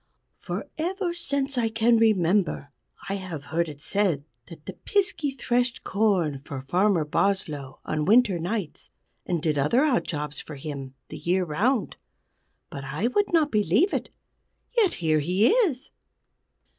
For ever since I can remember I have heard it said that the Piskey threshed corn for Farmer Boslow on winter nights, and did other odd jobs for him the year round. But I would not believe it. Yet here he is!"